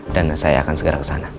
dan saya akan segera ke sana